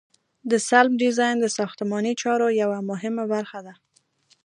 د سلب ډیزاین د ساختماني چارو یوه مهمه برخه ده